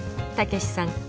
たけしさん